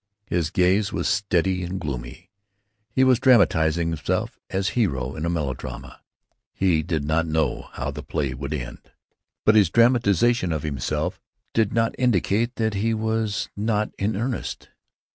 His gaze was steady and gloomy. He was dramatizing himself as hero in a melodrama. He did not know how the play would end. But his dramatization of himself did not indicate that he was not in earnest.